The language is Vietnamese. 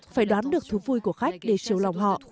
phải đoán được thú vui của khách để chiều lòng họ